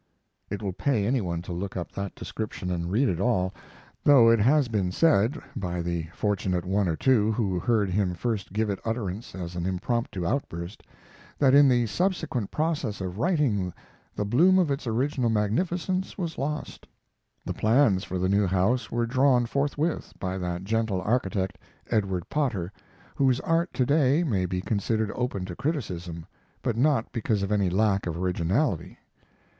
It will pay any one to look up that description and read it all, though it has been said, by the fortunate one or two who heard him first give it utterance as an impromptu outburst, that in the subsequent process of writing the bloom of its original magnificence was lost. The plans for the new house were drawn forthwith by that gentle architect Edward Potter, whose art to day may be considered open to criticism, but not because of any lack of originality.